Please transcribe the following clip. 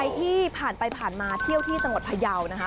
ใครที่ผ่านไปผ่านมาเที่ยวที่จงหรษภะเยานะฮะ